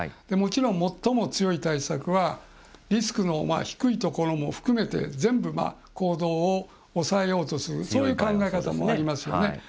もちろん、最も強い対策はリスクの低いところも含めて全部行動を抑えようとするそういう考え方もありますよね。